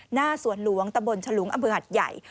หน้าสวนหลวงตะบนฉลุงอำเภอหัดใหญ่